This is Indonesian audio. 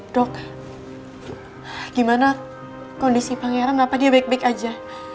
dok gimana kondisi pangeran kenapa dia baik baik aja